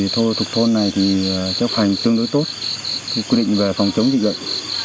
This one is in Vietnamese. thuộc thôn này chấp hành tương đối tốt quy định về phòng chống dịch gậy